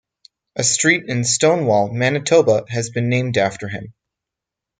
A street in Stonewall, Manitoba has been named after him.